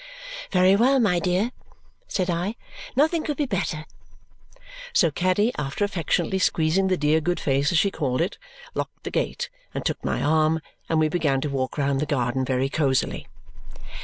"Very well, my dear," said I. "Nothing could be better." So Caddy, after affectionately squeezing the dear good face as she called it, locked the gate, and took my arm, and we began to walk round the garden very cosily.